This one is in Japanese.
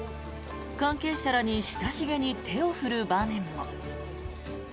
関係者らに親しげに手を振る場面も。